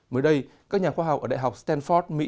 mới đây các nhà khoa học ở đại học sử dụng các loại giấy lọc